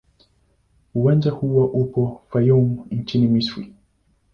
Uwanja huu upo Fayoum nchini Misri.